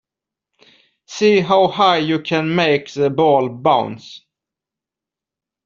See how high you can make the ball bounce